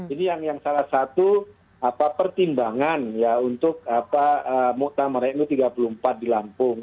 ini yang salah satu pertimbangan ya untuk muktamar nu tiga puluh empat di lampung